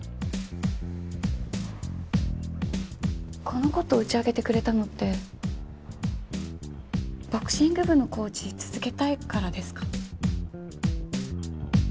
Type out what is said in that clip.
この事を打ち明けてくれたのってボクシング部のコーチ続けたいからですか？